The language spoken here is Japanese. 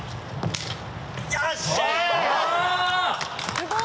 すごい！